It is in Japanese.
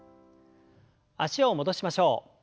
脚を戻しましょう。